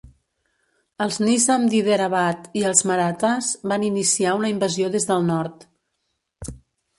Els Nizam d'Hiderabad i els Marathas van iniciar una invasió des del nord.